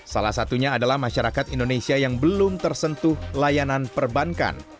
salah satunya adalah masyarakat indonesia yang belum tersentuh layanan perbankan